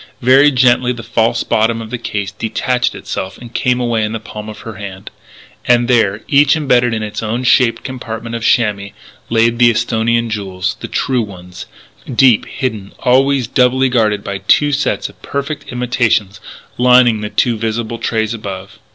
Very gently the false bottom of the case detached itself and came away in the palm of her hand. And there, each embedded in its own shaped compartment of chamois, lay the Esthonian jewels the true ones deep hidden, always doubly guarded by two sets of perfect imitations lining the two visible trays above.